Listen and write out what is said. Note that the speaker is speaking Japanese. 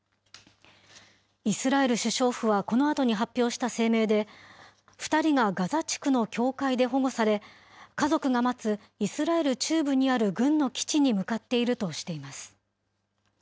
イスラエル首相府はこのあとに発表した声明で、２人がガザ地区の教会で保護され、家族が待つイスラエル中部にある軍の基地に向かっているとしています。